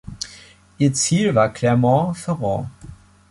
Ihr Ziel war Clermont-Ferrand.